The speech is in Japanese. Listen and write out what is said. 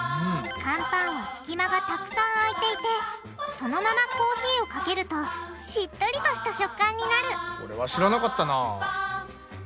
乾パンはすきまがたくさんあいていてそのままコーヒーをかけるとしっとりとした食感になるそれは知らなかったな。